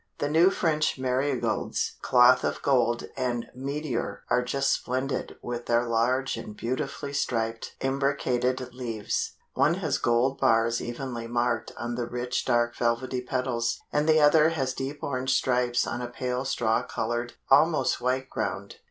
The new French Marigolds "Cloth of Gold," and "Meteor" are just splendid with their large and beautifully striped imbricated leaves. One has gold bars evenly marked on the rich dark velvety petals, and the other has deep orange stripes on a pale straw colored, almost white ground.